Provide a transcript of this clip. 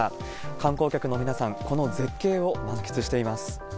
観光客の皆さん、この絶景を満喫しています。